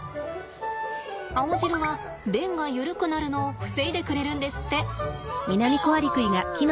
青汁は便がゆるくなるのを防いでくれるんですって。